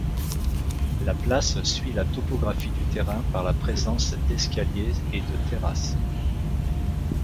La place suit la topographie du terrain par la présence d'escaliers et de terrasses.